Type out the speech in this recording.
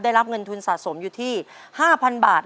ได้รับเงินทุนสะสมอยู่ที่๕๐๐๐บาท